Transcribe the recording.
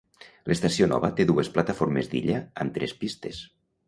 L'estació nova té dues plataformes d'illa amb tres pistes.